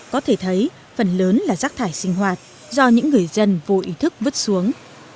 có thể thấy phần lớn là rác thải sinh hoạt do những người dân vô ý thức vứt xuống